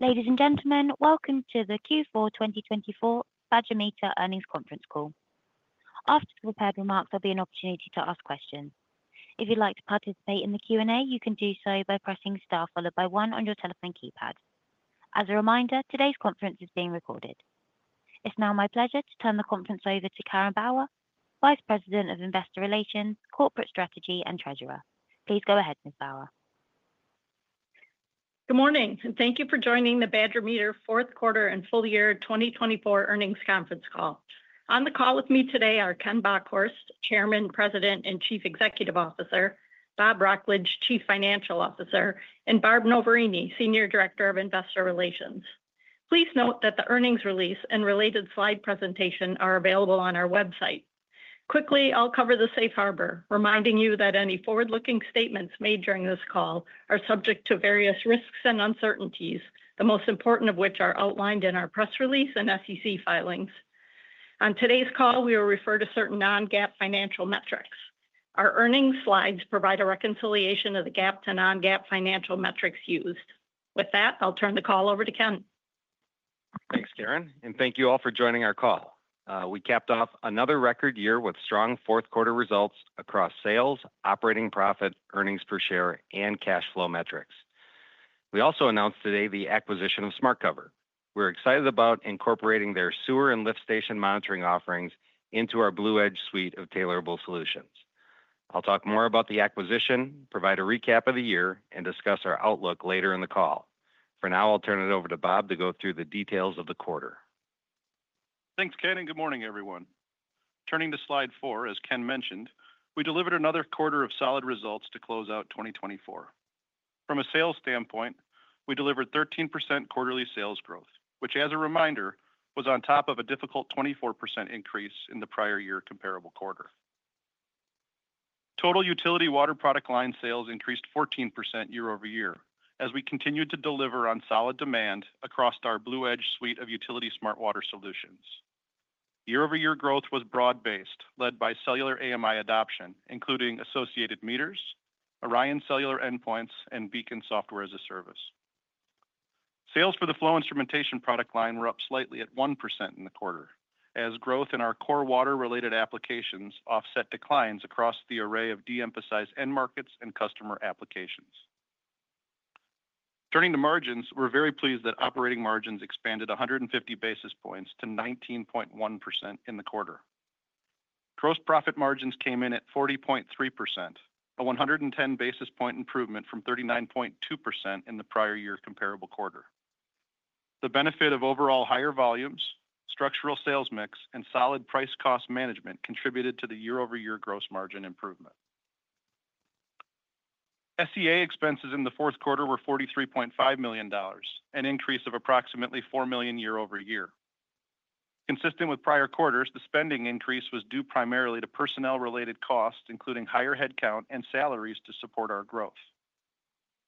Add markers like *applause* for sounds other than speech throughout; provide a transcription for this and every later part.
Ladies and gentlemen, welcome to the Q4 2024 Badger Meter earnings conference call. After the prepared remarks, there'll be an opportunity to ask questions. If you'd like to participate in the Q&A, you can do so by pressing star followed by one on your telephone keypad. As a reminder, today's conference is being recorded. It's now my pleasure to turn the conference over to Karen Bauer, Vice President of Investor Relations, Corporate Strategy, and Treasurer. Please go ahead, Ms. Bauer. Good morning, and thank you for joining the Badger Meter fourth quarter and full year 2024 earnings conference call. On the call with me today are Ken Bockhorst, Chairman, President, and Chief Executive Officer; Bob Wrocklage, Chief Financial Officer; and Barb Noverini, Senior Director of Investor Relations. Please note that the earnings release and related slide presentation are available on our website. Quickly, I'll cover the safe harbor, reminding you that any forward-looking statements made during this call are subject to various risks and uncertainties, the most important of which are outlined in our press release and SEC filings. On today's call, we will refer to certain non-GAAP financial metrics. Our earnings slides provide a reconciliation of the GAAP to non-GAAP financial metrics used. With that, I'll turn the call over to Ken. Thanks, Karen, and thank you all for joining our call. We capped off another record year with strong fourth quarter results across sales, operating profit, earnings per share, and cash flow metrics. We also announced today the acquisition of SmartCover. We're excited about incorporating their sewer and lift station monitoring offerings into our BlueEdge suite of tailorable solutions. I'll talk more about the acquisition, provide a recap of the year, and discuss our outlook later in the call. For now, I'll turn it over to Bob to go through the details of the quarter. Thanks, Ken, and good morning, everyone. Turning to slide four, as Ken mentioned, we delivered another quarter of solid results to close out 2024. From a sales standpoint, we delivered 13% quarterly sales growth, which, as a reminder, was on top of a difficult 24% increase in the prior year comparable quarter. Total utility water product line sales increased 14% year over year as we continued to deliver on solid demand across our BlueEdge suite of utility smart water solutions. Year-over-year growth was broad-based, led by cellular AMI adoption, including associated meters, ORION cellular endpoints, and BEACON software as a service. Sales for the flow instrumentation product line were up slightly at 1% in the quarter, as growth in our core water-related applications offset declines across the array of de-emphasized end markets and customer applications. Turning to margins, we're very pleased that operating margins expanded 150 basis points to 19.1% in the quarter. Gross profit margins came in at 40.3%, a 110 basis point improvement from 39.2% in the prior year comparable quarter. The benefit of overall higher volumes, structural sales mix, and solid price-cost management contributed to the year-over-year gross margin improvement. SG&A expenses in the fourth quarter were $43.5 million, an increase of approximately $4 million year over year. Consistent with prior quarters, the spending increase was due primarily to personnel-related costs, including higher headcount and salaries to support our growth.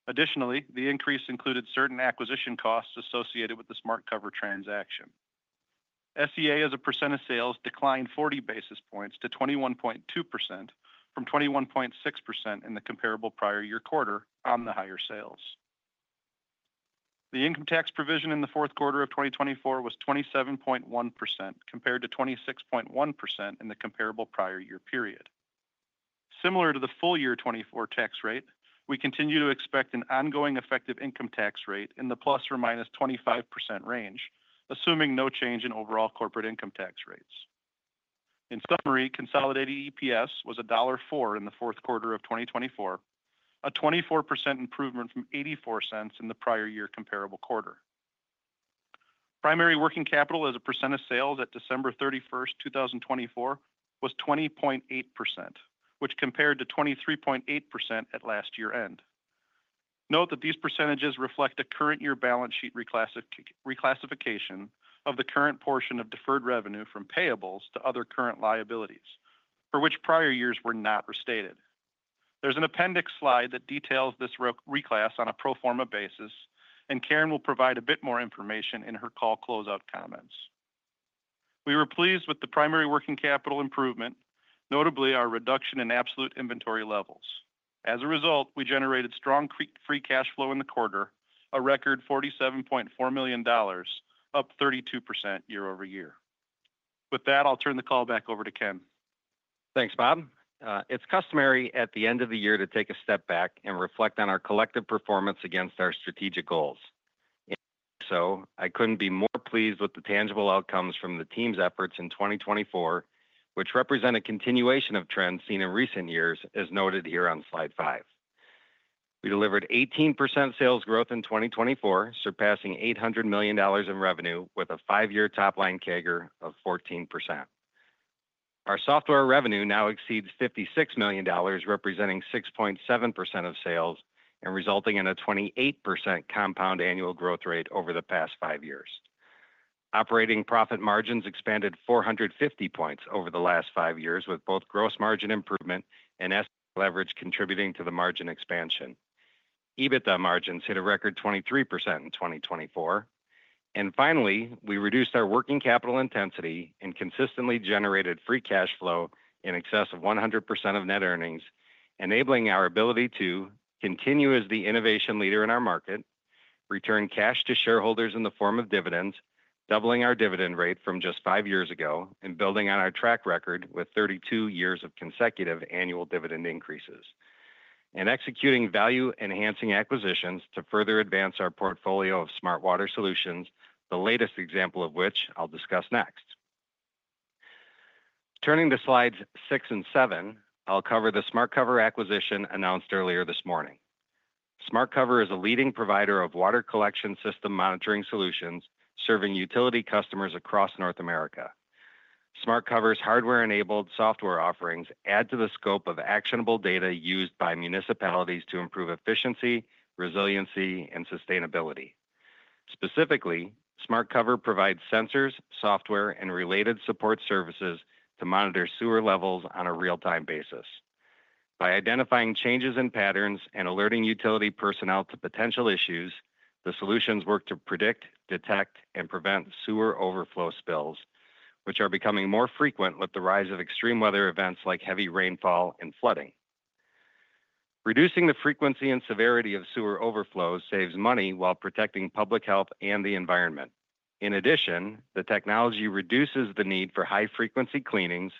Additionally, the increase included certain acquisition costs associated with the SmartCover transaction. SEA, as a percent of sales, declined 40 basis points to 21.2% from 21.6% in the comparable prior year quarter on the higher sales. The income tax provision in the fourth quarter of 2024 was 27.1% compared to 26.1% in the comparable prior year period. Similar to the full year 2024 tax rate, we continue to expect an ongoing effective income tax rate in the plus or minus 25% range, assuming no change in overall corporate income tax rates. In summary, consolidated EPS was $1.04 in the fourth quarter of 2024, a 24% improvement from $0.84 in the prior year comparable quarter. Primary working capital, as a percent of sales at December 31, 2024, was 20.8%, which compared to 23.8% at last year's end. Note that these percentages reflect a current year balance sheet reclassification of the current portion of deferred revenue from payables to other current liabilities, for which prior years were not restated. There's an appendix slide that details this reclass on a pro forma basis, and Karen will provide a bit more information in her call closeout comments. We were pleased with the primary working capital improvement, notably our reduction in absolute inventory levels. As a result, we generated strong free cash flow in the quarter, a record $47.4 million, up 32% year over year. With that, I'll turn the call back over to Ken. Thanks, Bob. It's customary at the end of the year to take a step back and reflect on our collective performance against our strategic goals. In doing so, I couldn't be more pleased with the tangible outcomes from the team's efforts in 2024, which represent a continuation of trends seen in recent years, as noted here on slide five. We delivered 18% sales growth in 2024, surpassing $800 million in revenue with a five-year top-line CAGR of 14%. Our software revenue now exceeds $56 million, representing 6.7% of sales and resulting in a 28% compound annual growth rate over the past five years. Operating profit margins expanded 450 points over the last five years, with both gross margin improvement and asset leverage contributing to the margin expansion. EBITDA margins hit a record 23% in 2024. And finally, we reduced our working capital intensity and consistently generated free cash flow in excess of 100% of net earnings, enabling our ability to continue as the innovation leader in our market, return cash to shareholders in the form of dividends, doubling our dividend rate from just five years ago, and building on our track record with 32 years of consecutive annual dividend increases, and executing value-enhancing acquisitions to further advance our portfolio of smart water solutions, the latest example of which I'll discuss next. Turning to slides six and seven, I'll cover the SmartCover acquisition announced earlier this morning. SmartCover is a leading provider of water collection system monitoring solutions serving utility customers across North America. SmartCover's hardware-enabled software offerings add to the scope of actionable data used by municipalities to improve efficiency, resiliency, and sustainability. Specifically, SmartCover provides sensors, software, and related support services to monitor sewer levels on a real-time basis. By identifying changes in patterns and alerting utility personnel to potential issues, the solutions work to predict, detect, and prevent sewer overflow spills, which are becoming more frequent with the rise of extreme weather events like heavy rainfall and flooding. Reducing the frequency and severity of sewer overflows saves money while protecting public health and the environment. In addition, the technology reduces the need for high-frequency cleanings,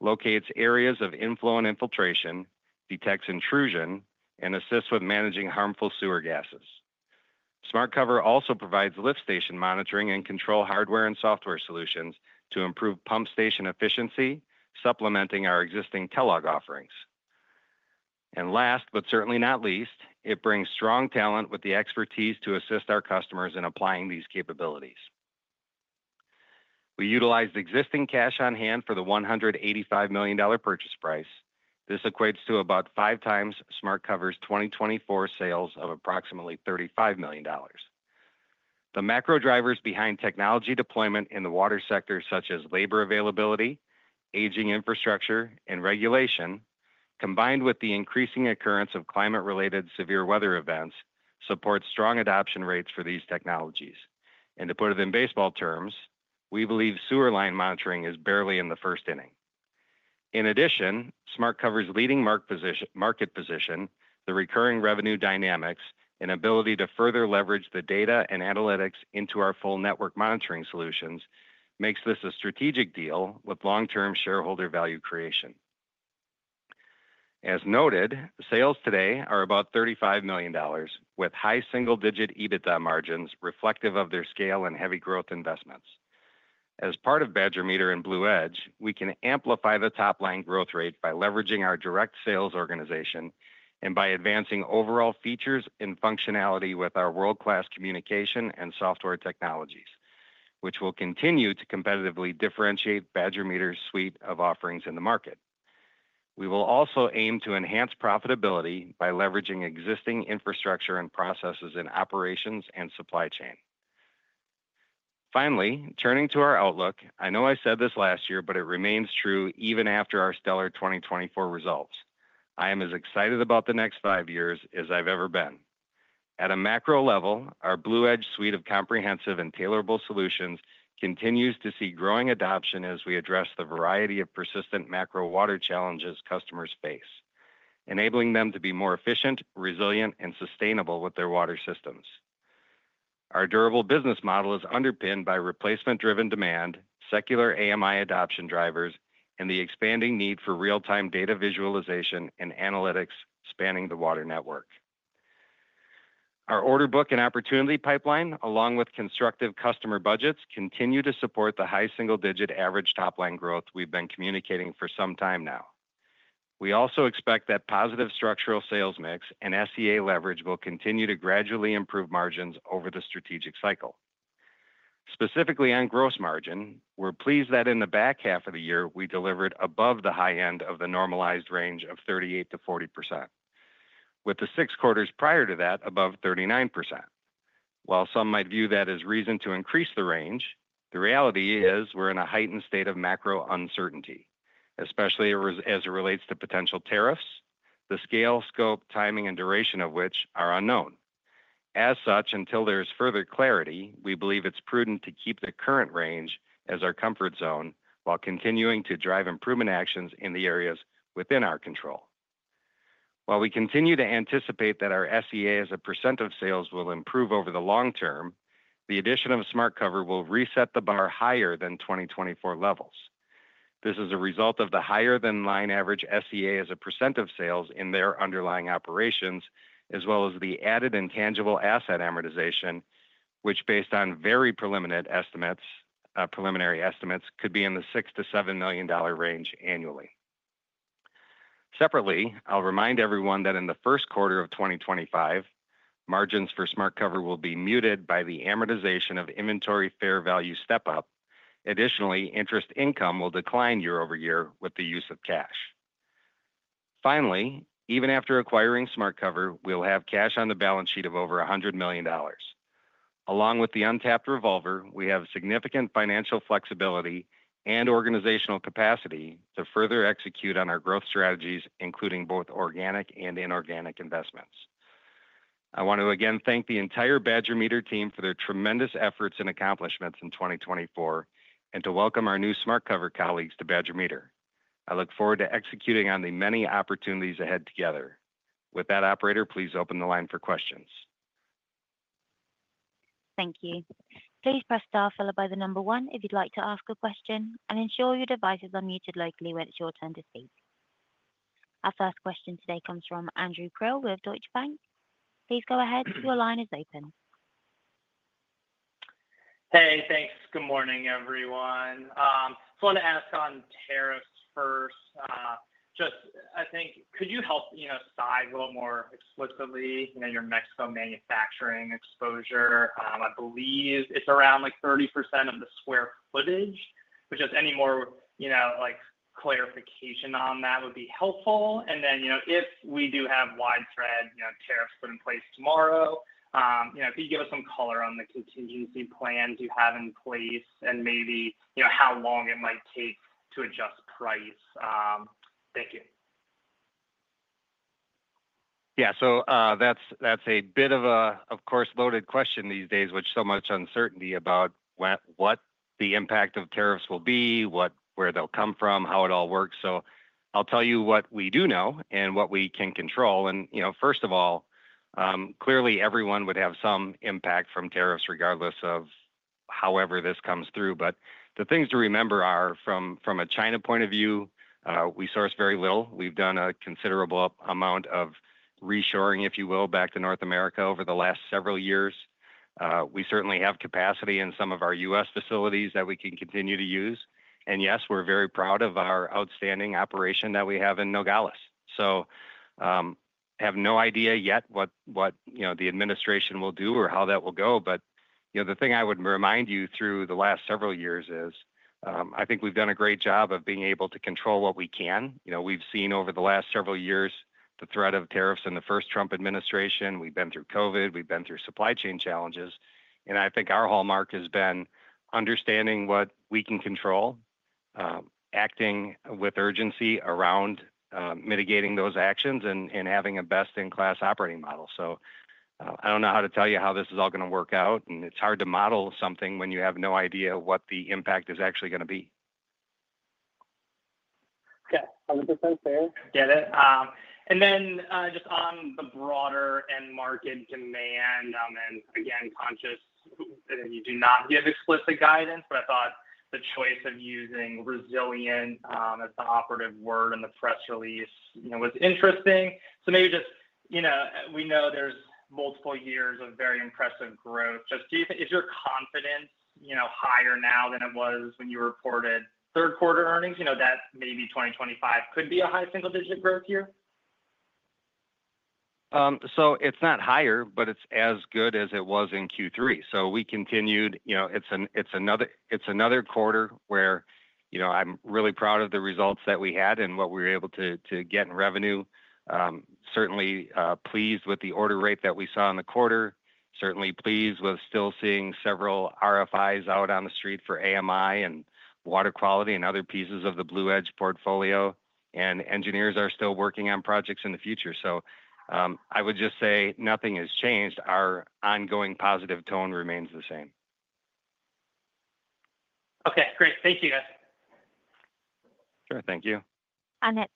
locates areas of inflow and infiltration, detects intrusion, and assists with managing harmful sewer gases. SmartCover also provides lift station monitoring and control hardware and software solutions to improve pump station efficiency, supplementing our existing Telog offerings. And last but certainly not least, it brings strong talent with the expertise to assist our customers in applying these capabilities. We utilized existing cash on hand for the $185 million purchase price. This equates to about five times SmartCover's 2024 sales of approximately $35 million. The macro drivers behind technology deployment in the water sector, such as labor availability, aging infrastructure, and regulation, combined with the increasing occurrence of climate-related severe weather events, support strong adoption rates for these technologies, and to put it in baseball terms, we believe sewer line monitoring is barely in the first inning. In addition, SmartCover's leading market position, the recurring revenue dynamics, and ability to further leverage the data and analytics into our full network monitoring solutions makes this a strategic deal with long-term shareholder value creation. As noted, sales today are about $35 million, with high single-digit EBITDA margins reflective of their scale and heavy growth investments. As part of Badger Meter and BlueEdge, we can amplify the top-line growth rate by leveraging our direct sales organization and by advancing overall features and functionality with our world-class communication and software technologies, which will continue to competitively differentiate Badger Meter's suite of offerings in the market. We will also aim to enhance profitability by leveraging existing infrastructure and processes in operations and supply chain. Finally, turning to our outlook, I know I said this last year, but it remains true even after our stellar 2024 results. I am as excited about the next five years as I've ever been. At a macro level, our BlueEdge suite of comprehensive and tailorable solutions continues to see growing adoption as we address the variety of persistent macro water challenges customers face, enabling them to be more efficient, resilient, and sustainable with their water systems. Our durable business model is underpinned by replacement-driven demand, secular AMI adoption drivers, and the expanding need for real-time data visualization and analytics spanning the water network. Our order book and opportunity pipeline, along with constructive customer budgets, continue to support the high single-digit average top-line growth we've been communicating for some time now. We also expect that positive structural sales mix and SEA leverage will continue to gradually improve margins over the strategic cycle. Specifically on gross margin, we're pleased that in the back half of the year, we delivered above the high end of the normalized range of 38%-40%, with the six quarters prior to that above 39%. While some might view that as reason to increase the range, the reality is we're in a heightened state of macro uncertainty, especially as it relates to potential tariffs, the scale, scope, timing, and duration of which are unknown. As such, until there is further clarity, we believe it's prudent to keep the current range as our comfort zone while continuing to drive improvement actions in the areas within our control. While we continue to anticipate that our SEA as a % of sales will improve over the long term, the addition of SmartCover will reset the bar higher than 2024 levels. This is a result of the higher-than-line average SEA as a % of sales in their underlying operations, as well as the added intangible asset amortization, which, based on very preliminary estimates, could be in the $6-$7 million range annually. Separately, I'll remind everyone that in the first quarter of 2025, margins for SmartCover will be muted by the amortization of inventory fair value step-up. Additionally, interest income will decline year over year with the use of cash. Finally, even after acquiring SmartCover, we'll have cash on the balance sheet of over $100 million. Along with the untapped revolver, we have significant financial flexibility and organizational capacity to further execute on our growth strategies, including both organic and inorganic investments. I want to again thank the entire Badger Meter team for their tremendous efforts and accomplishments in 2024, and to welcome our new SmartCover colleagues to Badger Meter. I look forward to executing on the many opportunities ahead together. With that, Operator, please open the line for questions. Thank you. Please press star followed by the number one if you'd like to ask a question, and ensure your device is unmuted locally when it's your turn to speak. Our first question today comes from Andrew Krill with Deutsche Bank. Please go ahead. Your line is open. Hey, thanks. Good morning, everyone. Just wanted to ask on tariffs first. Just, I think, could you help, you know, size a little more explicitly, you know, your Mexico manufacturing exposure? I believe it's around like 30% of the square footage, but just any more, you know, like clarification on that would be helpful. And then, you know, if we do have widespread, you know, tariffs put in place tomorrow, you know, could you give us some color on the contingency plans you have in place and maybe, you know, how long it might take to adjust price? Thank you. Yeah, so that's a bit of a, of course, loaded question these days, with so much uncertainty about what the impact of tariffs will be, where they'll come from, how it all works. So I'll tell you what we do know and what we can control. And, you know, first of all, clearly everyone would have some impact from tariffs regardless of however this comes through. But the things to remember are from a China point of view, we source very little. We've done a considerable amount of reshoring, if you will, back to North America over the last several years. We certainly have capacity in some of our U.S. facilities that we can continue to use. And yes, we're very proud of our outstanding operation that we have in Nogales. So I have no idea yet what, you know, the administration will do or how that will go. But, you know, the thing I would remind you through the last several years is I think we've done a great job of being able to control what we can. You know, we've seen over the last several years the threat of tariffs in the first Trump administration. We've been through COVID. We've been through supply chain challenges. And I think our hallmark has been understanding what we can control, acting with urgency around mitigating those actions, and having a best-in-class operating model. So I don't know how to tell you how this is all going to work out. And it's hard to model something when you have no idea what the impact is actually going to be. Yeah, 100% fair. Get it? And then just on the broader end market demand, and again, conscious that you do not give explicit guidance, but I thought the choice of using resilient as the operative word in the press release, you know, was interesting. So maybe just, you know, we know there's multiple years of very impressive growth. Just do you think is your confidence, you know, higher now than it was when you reported third quarter earnings? You know, that maybe 2025 could be a high single-digit growth year? So it's not higher, but it's as good as it was in Q3. So we continued, you know, it's another quarter where, you know, I'm really proud of the results that we had and what we were able to get in revenue. Certainly pleased with the order rate that we saw in the quarter. Certainly pleased with still seeing several RFIs out on the street for AMI and water quality and other pieces of the BlueEdge portfolio. And engineers are still working on projects in the future. So I would just say nothing has changed. Our ongoing positive tone remains the same. Okay, great. Thank you, guys. Sure, thank you. Our next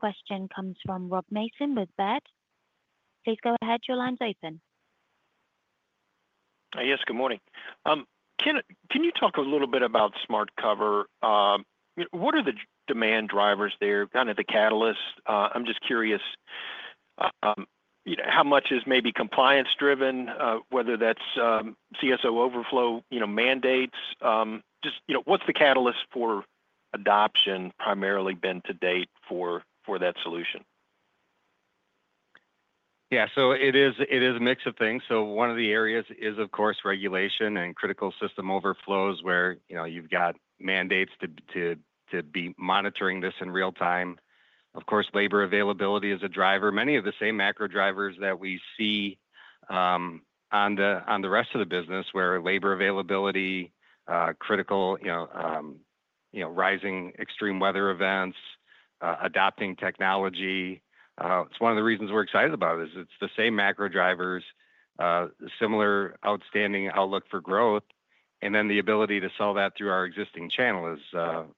question comes from Rob Mason with Baird. Please go ahead. Your line's open. Yes, good morning. Can you talk a little bit about SmartCover? What are the demand drivers there, kind of the catalysts? I'm just curious, you know, how much is maybe compliance-driven, whether that's CSO overflow, you know, mandates? Just, you know, what's the catalyst for adoption primarily been to date for that solution? Yeah, so it is a mix of things. So one of the areas is, of course, regulation and critical system overflows where, you know, you've got mandates to be monitoring this in real time. Of course, labor availability is a driver. Many of the same macro drivers that we see on the rest of the business where labor availability, critical, you know, rising extreme weather events, adopting technology. It's one of the reasons we're excited about it. It's the same macro drivers, similar outstanding outlook for growth, and then the ability to sell that through our existing channel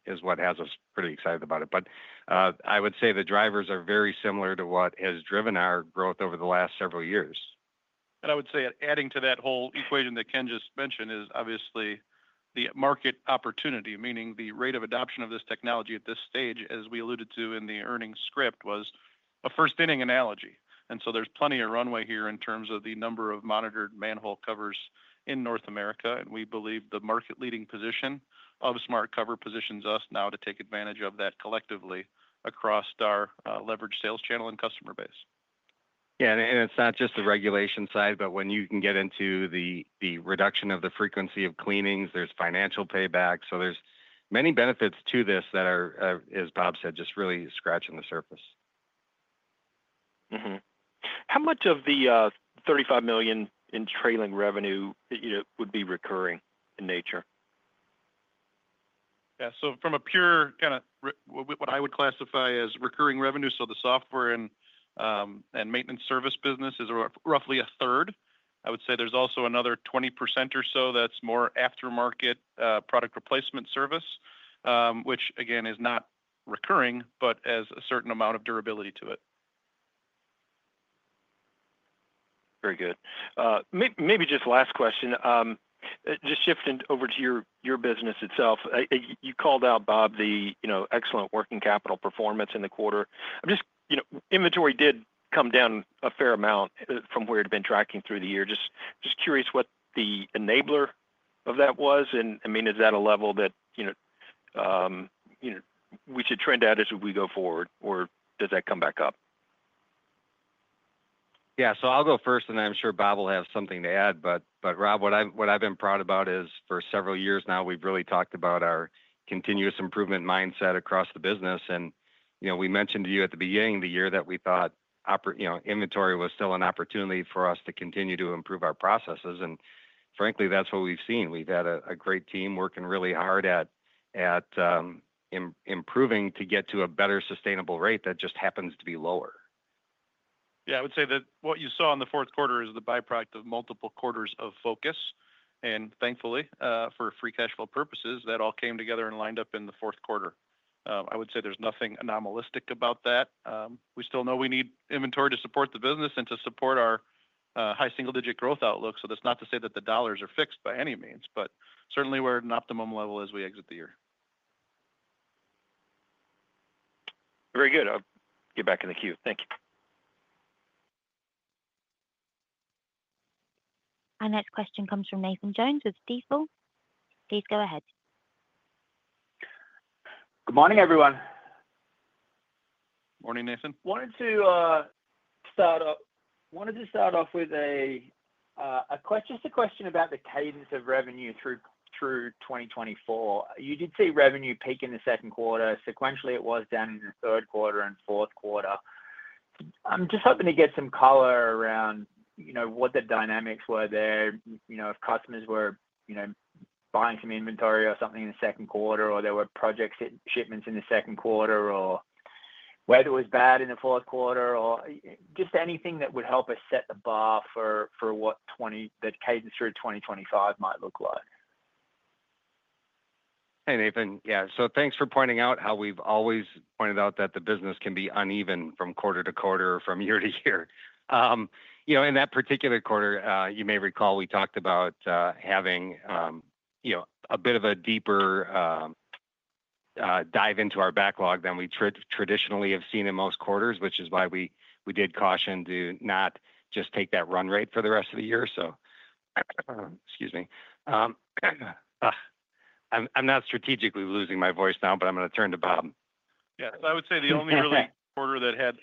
is what has us pretty excited about it. But I would say the drivers are very similar to what has driven our growth over the last several years. And I would say adding to that whole equation that Ken just mentioned is obviously the market opportunity, meaning the rate of adoption of this technology at this stage, as we alluded to in the earnings script, was a first-inning analogy. And so there's plenty of runway here in terms of the number of monitored manhole covers in North America. And we believe the market-leading position of SmartCover positions us now to take advantage of that collectively across our leveraged sales channel and customer base. Yeah, and it's not just the regulation side, but when you can get into the reduction of the frequency of cleanings, there's financial payback. So there's many benefits to this that are, as Bob said, just really scratching the surface. How much of the $35 million in trailing revenue, you know, would be recurring in nature? Yeah. So from a pure kind of what I would classify as recurring revenue, so the software and maintenance service business is roughly a third. I would say there's also another 20% or so that's more aftermarket product replacement service, which, again, is not recurring, but has a certain amount of durability to it. Very good. Maybe just last question, just shifting over to your business itself. You called out, Bob, the, you know, excellent working capital performance in the quarter. I'm just, you know, inventory did come down a fair amount from where it had been tracking through the year. Just curious what the enabler of that was. And I mean, is that a level that, you know, we should trend at as we go forward, or does that come back up? Yeah, so I'll go first, and I'm sure Bob will have something to add. But, Rob, what I've been proud about is for several years now, we've really talked about our continuous improvement mindset across the business. And, you know, we mentioned to you at the beginning of the year that we thought, you know, inventory was still an opportunity for us to continue to improve our processes. Frankly, that's what we've seen. We've had a great team working really hard at improving to get to a better sustainable rate that just happens to be lower. Yeah, I would say that what you saw in the fourth quarter is the byproduct of multiple quarters of focus. And thankfully, for free cash flow purposes, that all came together and lined up in the fourth quarter. I would say there's nothing anomalous about that. We still know we need inventory to support the business and to support our high single-digit growth outlook. So that's not to say that the dollars are fixed by any means, but certainly we're at an optimum level as we exit the year. Very good. I'll get back in the queue. Thank you. Our next question comes from Nathan Jones with Stifel. Please go ahead. Good morning, everyone. Morning, Nathan. Wanted to start off with a question, just a question about the cadence of revenue through 2024. You did see revenue peak in the second quarter. Sequentially, it was down in the third quarter and fourth quarter. I'm just hoping to get some color around, you know, what the dynamics were there, you know, if customers were, you know, buying some inventory or something in the second quarter, or there were project shipments in the second quarter, or weather was bad in the fourth quarter, or just anything that would help us set the bar for what the cadence through 2025 might look like. Hey, Nathan, yeah, so thanks for pointing out how we've always pointed out that the business can be uneven from quarter to quarter, from year to year. You know, in that particular quarter, you may recall we talked about having, you know, a bit of a deeper dive into our backlog than we traditionally have seen in most quarters, which is why we did caution to not just take that run rate for the rest of the year, so excuse me. I'm not strategically losing my voice now, but I'm going to turn to Bob. Yeah, so I would say the only really quarter that had,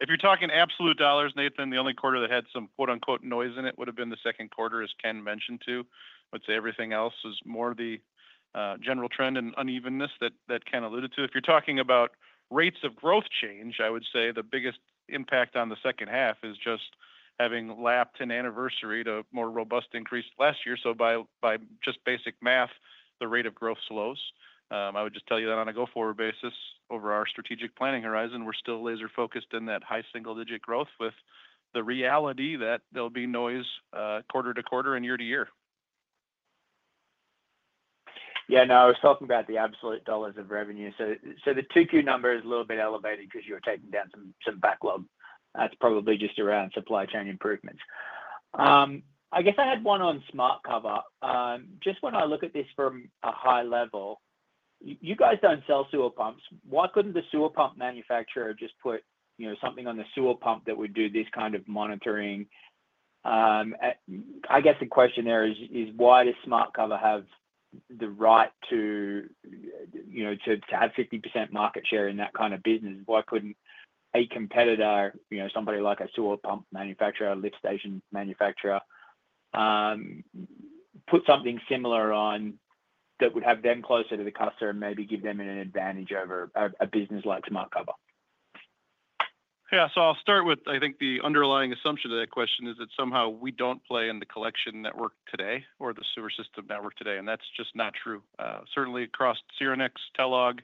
if you're talking absolute dollars, Nathan, the only quarter that had some quote-unquote noise in it would have been the second quarter, as Ken mentioned too. I would say everything else is more the general trend and unevenness that Ken alluded to. If you're talking about rates of growth change, I would say the biggest impact on the second half is just having lapped an anniversary to a more robust increase last year. So by just basic math, the rate of growth slows. I would just tell you that on a go-forward basis, over our strategic planning horizon, we're still laser-focused in that high single-digit growth with the reality that there'll be noise quarter to quarter and year to year. Yeah, no, I was talking about the absolute dollars of revenue. So the Q2 number is a little bit elevated because you were taking down some backlog. That's probably just around supply chain improvements. I guess I had one on SmartCover. Just when I look at this from a high level, you guys don't sell sewer pumps. Why couldn't the sewer pump manufacturer just put, you know, something on the sewer pump that would do this kind of monitoring? I guess the question there is, why does SmartCover have the right to, you know, to have 50% market share in that kind of business? Why couldn't a competitor, you know, somebody like a sewer pump manufacturer, a lift station manufacturer, put something similar on that would have them closer to the customer and maybe give them an advantage over a business like SmartCover? Yeah, so I'll start with, I think the underlying assumption of that question is that somehow we don't play in the collection network today or the sewer system network today. That's just not true. Certainly across Syrinix, Telog,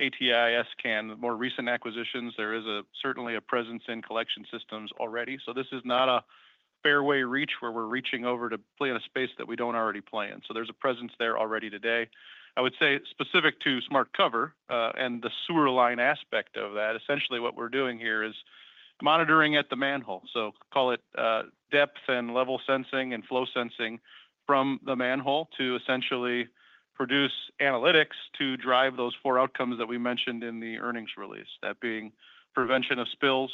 ATI, s::can, the more recent acquisitions, there is certainly a presence in collection systems already. So this is not a fairway reach where we're reaching over to play in a space that we don't already play in. So there's a presence there already today. I would say specific to SmartCover and the sewer line aspect of that, essentially what we're doing here is monitoring at the manhole. So call it depth and level sensing and flow sensing from the manhole to essentially produce analytics to drive those four outcomes that we mentioned in the earnings release, that being prevention of spills,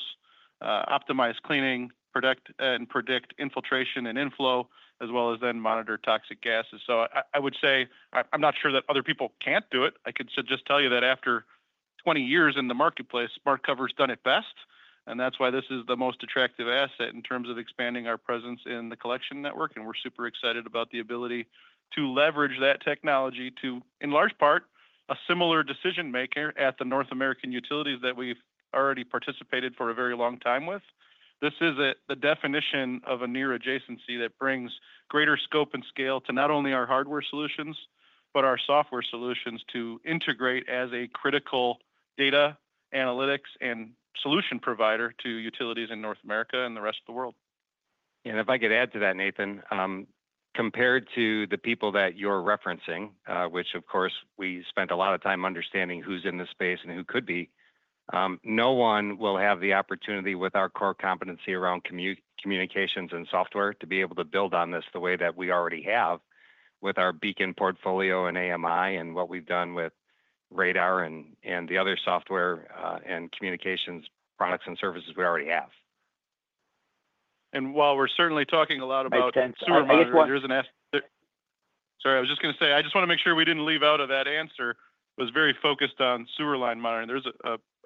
optimize cleaning, and predict infiltration and inflow, as well as then monitor toxic gases. So I would say I'm not sure that other people can't do it. I could just tell you that after 20 years in the marketplace, SmartCover has done it best. And that's why this is the most attractive asset in terms of expanding our presence in the collection network. And we're super excited about the ability to leverage that technology to, in large part, a similar decision maker at the North American utilities that we've already participated for a very long time with. This is the definition of a near adjacency that brings greater scope and scale to not only our hardware solutions, but our software solutions to integrate as a critical data analytics and solution provider to utilities in North America and the rest of the world. Yeah, and if I could add to that, Nathan, compared to the people that you're referencing, which of course we spent a lot of time understanding who's in this space and who could be, no one will have the opportunity with our core competency around communications and software to be able to build on this the way that we already have with our BEACON portfolio and AMI and what we've done with Radar and the other software and communications products and services we already have. While we're certainly talking a lot about *crosstalk* sewer monitoring and, sorry, I was just going to say, I just want to make sure we didn't leave out of that answer. It was very focused on sewer line monitoring. There's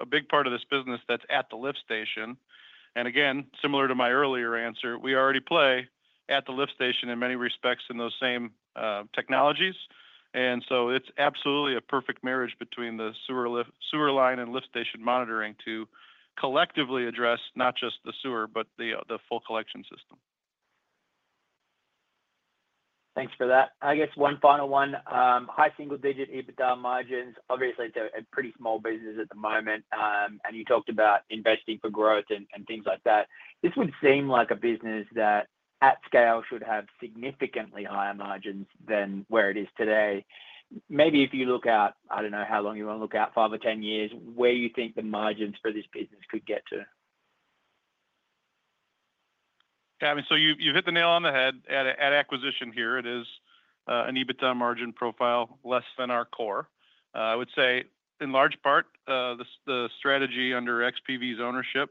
a big part of this business that's at the lift station. And again, similar to my earlier answer, we already play at the lift station in many respects in those same technologies. And so it's absolutely a perfect marriage between the sewer line and lift station monitoring to collectively address not just the sewer, but the full collection system. Thanks for that. I guess one final one. High single-digit EBITDA margins, obviously they're a pretty small business at the moment. And you talked about investing for growth and things like that. This would seem like a business that at scale should have significantly higher margins than where it is today. Maybe if you look out, I don't know how long you want to look out, five or 10 years, where you think the margins for this business could get to? Yeah, I mean, so you've hit the nail on the head at acquisition here. It is an EBITDA margin profile less than our core. I would say in large part, the strategy under XPV's ownership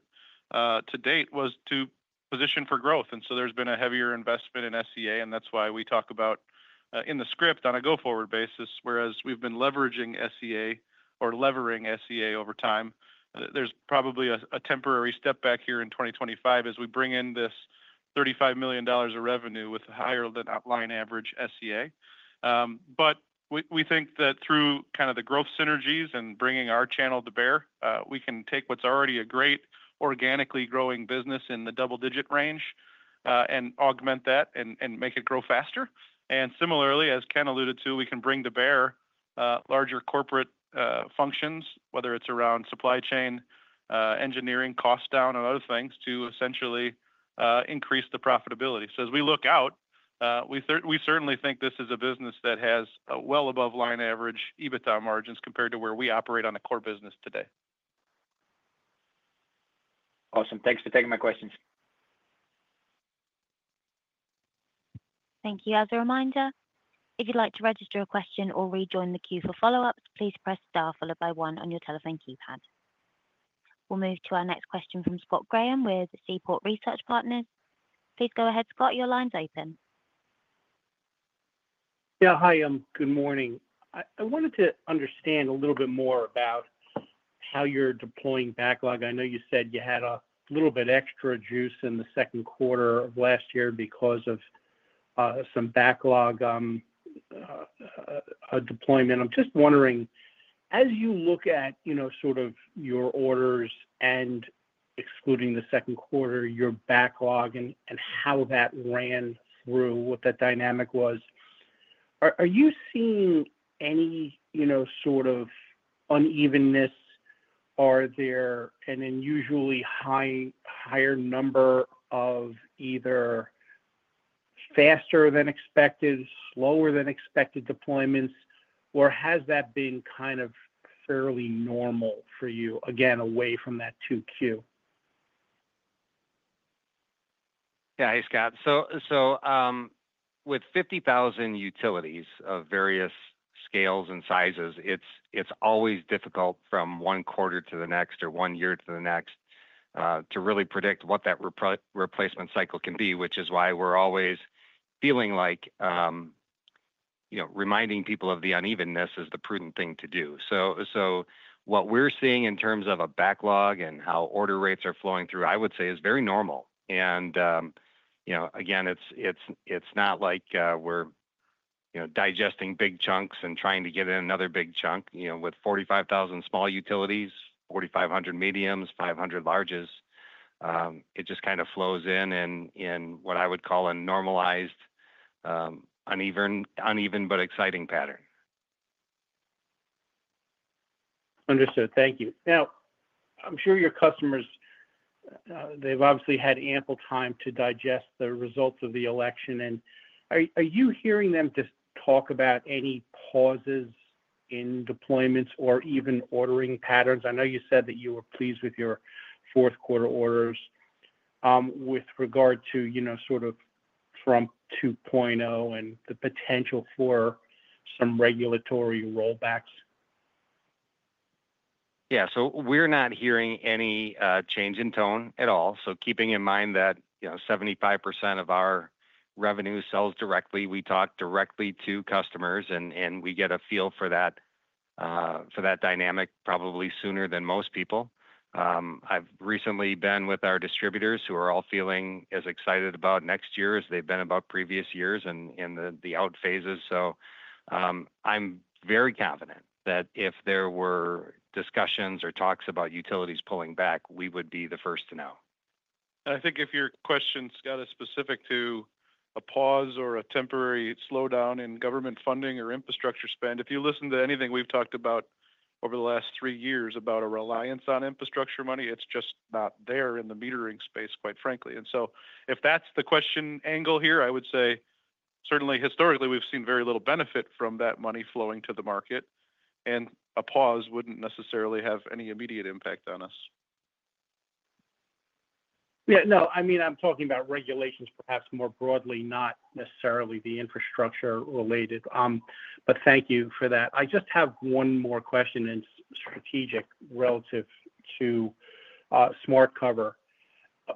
to date was to position for growth. And so there's been a heavier investment in SEA, and that's why we talk about in the script on a go-forward basis, whereas we've been leveraging SEA or levering SEA over time. There's probably a temporary step back here in 2025 as we bring in this $35 million of revenue with higher than outline average SEA. But we think that through kind of the growth synergies and bringing our channel to bear, we can take what's already a great organically growing business in the double-digit range and augment that and make it grow faster. And similarly, as Ken alluded to, we can bring to bear larger corporate functions, whether it's around supply chain, engineering, cost down, and other things to essentially increase the profitability. So as we look out, we certainly think this is a business that has well above line average EBITDA margins compared to where we operate on a core business today. Awesome. Thanks for taking my questions. Thank you. As a reminder, if you'd like to register a question or rejoin the queue for follow-ups, please press star followed by one on your telephone keypad. We'll move to our next question from Scott Graham with Seaport Research Partners. Please go ahead, Scott. Your line's open. Yeah, hi. Good morning. I wanted to understand a little bit more about how you're deploying backlog. I know you said you had a little bit extra juice in the second quarter of last year because of some backlog deployment. I'm just wondering, as you look at, you know, sort of your orders and excluding the second quarter, your backlog and how that ran through, what that dynamic was, are you seeing any, you know, sort of unevenness? Are there an unusually higher number of either faster than expected, slower than expected deployments, or has that been kind of fairly normal for you, again, away from that Q2? Yeah, hey, Scott. So with 50,000 utilities of various scales and sizes, it's always difficult from one quarter to the next or one year to the next to really predict what that replacement cycle can be, which is why we're always feeling like, you know, reminding people of the unevenness is the prudent thing to do. So what we're seeing in terms of a backlog and how order rates are flowing through, I would say is very normal. And, you know, again, it's not like we're, you know, digesting big chunks and trying to get in another big chunk, you know, with 45,000 small utilities, 4,500 mediums, 500 larges. It just kind of flows in in what I would call a normalized uneven, uneven, but exciting pattern. Understood. Thank you. Now, I'm sure your customers, they've obviously had ample time to digest the results of the election. And are you hearing them just talk about any pauses in deployments or even ordering patterns? I know you said that you were pleased with your fourth quarter orders with regard to, you know, sort of Trump 2.0 and the potential for some regulatory rollbacks. Yeah, so we're not hearing any change in tone at all. So keeping in mind that, you know, 75% of our revenue sells directly, we talk directly to customers, and we get a feel for that dynamic probably sooner than most people. I've recently been with our distributors who are all feeling as excited about next year as they've been about previous years in the out phases. So I'm very confident that if there were discussions or talks about utilities pulling back, we would be the first to know. I think if your question's got a specific to a pause or a temporary slowdown in government funding or infrastructure spend, if you listen to anything we've talked about over the last three years about a reliance on infrastructure money, it's just not there in the metering space, quite frankly. And so if that's the question angle here, I would say certainly historically we've seen very little benefit from that money flowing to the market. And a pause wouldn't necessarily have any immediate impact on us. Yeah, no, I mean, I'm talking about regulations perhaps more broadly, not necessarily the infrastructure related. But thank you for that. I just have one more question and it's strategic relative to SmartCover.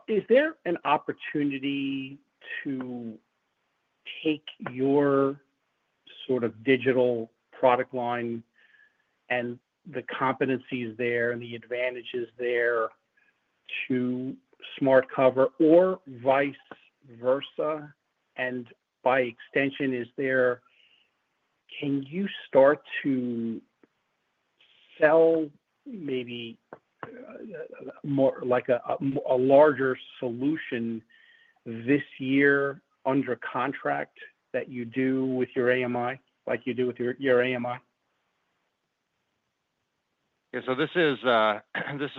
Is there an opportunity to take your sort of digital product line and the competencies there and the advantages there to SmartCover or vice versa? And by extension, is there, can you start to sell maybe more like a larger solution this year under contract that you do with your AMI, like you do with your AMI? Yeah, so this is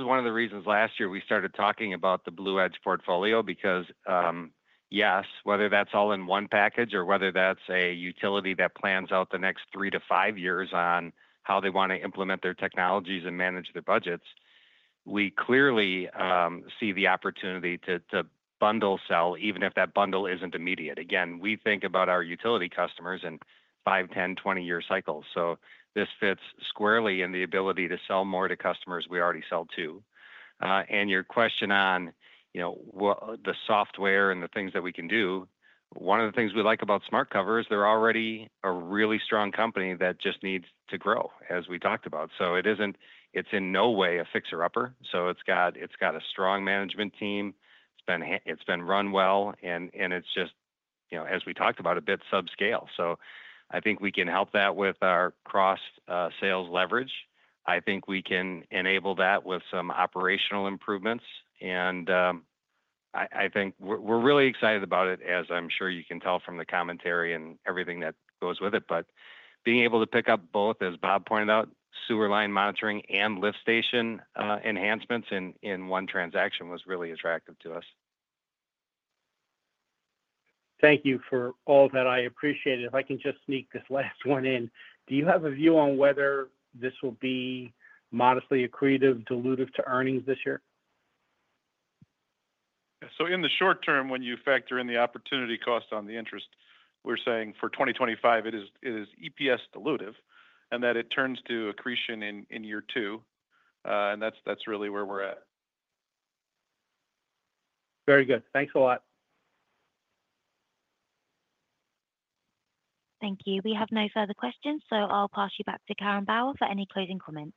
one of the reasons last year we started talking about the BlueEdge portfolio because yes, whether that's all in one package or whether that's a utility that plans out the next three to five years on how they want to implement their technologies and manage their budgets, we clearly see the opportunity to bundle sell even if that bundle isn't immediate. Again, we think about our utility customers in five, 10-, 20-year cycles. So this fits squarely in the ability to sell more to customers we already sell to. And your question on, you know, the software and the things that we can do, one of the things we like about SmartCover is they're already a really strong company that just needs to grow, as we talked about. So it isn't, it's in no way a fixer upper. So it's got a strong management team. It's been run well. And it's just, you know, as we talked about, a bit subscale. So I think we can help that with our cross-sales leverage. I think we can enable that with some operational improvements. And I think we're really excited about it, as I'm sure you can tell from the commentary and everything that goes with it. But being able to pick up both, as Bob pointed out, sewer line monitoring and lift station enhancements in one transaction was really attractive to us. Thank you for all that. I appreciate it. If I can just sneak this last one in, do you have a view on whether this will be modestly accretive, dilutive to earnings this year? In the short term, when you factor in the opportunity cost on the interest, we're saying for 2025, it is EPS dilutive and that it turns to accretion in year two. That's really where we're at. Very good. Thanks a lot. Thank you. We have no further questions. So I'll pass you back to Karen Bauer for any closing comments.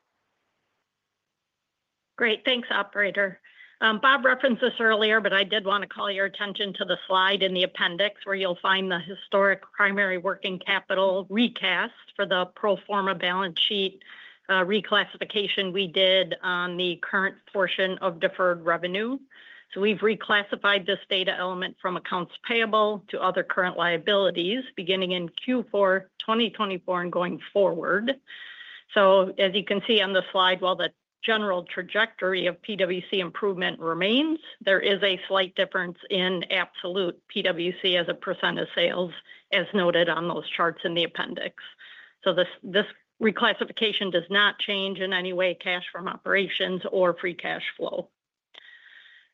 Great. Thanks, operator. Bob referenced this earlier, but I did want to call your attention to the slide in the appendix where you'll find the historic primary working capital recast for the pro forma balance sheet reclassification we did on the current portion of deferred revenue. So we've reclassified this data element from accounts payable to other current liabilities beginning in Q4 2024 and going forward. So as you can see on the slide, while the general trajectory of PWC improvement remains, there is a slight difference in absolute PWC as a percent of sales as noted on those charts in the appendix. So this reclassification does not change in any way cash from operations or free cash flow.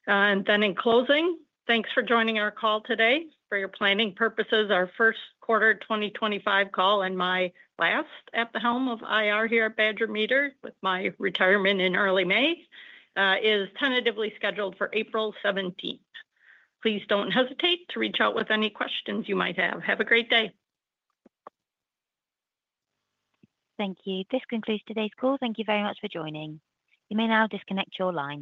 And then in closing, thanks for joining our call today. For your planning purposes, our first quarter 2025 call and my last at the helm of IR here at Badger Meter with my retirement in early May is tentatively scheduled for April 17th. Please don't hesitate to reach out with any questions you might have. Have a great day. Thank you. This concludes today's call. Thank you very much for joining. You may now disconnect your line.